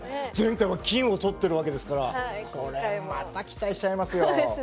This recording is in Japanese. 前回は金を取ってるわけですからこれまた期待しちゃいますよ。